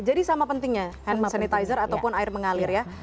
sama pentingnya hand sanitizer ataupun air mengalir ya